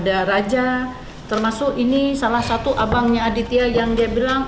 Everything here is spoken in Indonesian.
ada raja termasuk ini salah satu abangnya aditya yang dia bilang